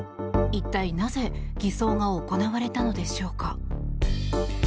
一体なぜ偽装が行われたのでしょうか。